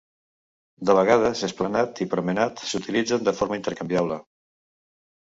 De vegades, "esplanade" i "promenade" s'utilitzen de forma intercanviable.